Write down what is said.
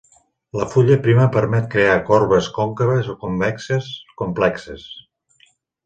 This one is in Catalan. La fulla prima permet crear corbes còncaves o convexes complexes.